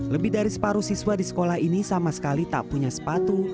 lebih dari separuh siswa di sekolah ini sama sekali tak punya sepatu